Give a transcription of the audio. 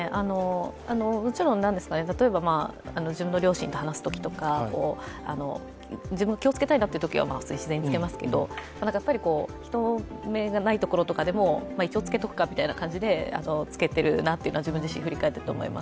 例えば自分の両親と話すときとか、自分が気を付けたいなというときは自然に着けますけど、人目がないところなどでも一応着けておくかみたいな感じでつけているなと、振り返ってみると思います。